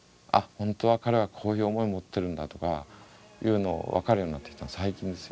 本当は彼はこういう思い持ってるんだとかいうのを分かるようになってきたのは最近ですよ。